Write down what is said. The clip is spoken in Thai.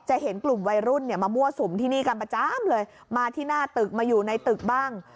เห็นกลุ่มวัยรุ่นเนี่ยมามั่วสุมที่นี่กันประจำเลยมาที่หน้าตึกมาอยู่ในตึกบ้าง